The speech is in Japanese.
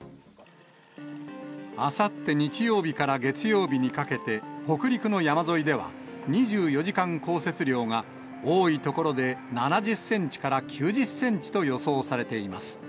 あさって日曜日から月曜日にかけて、北陸の山沿いでは２４時間降雪量が多い所で７０センチから９０センチと予想されています。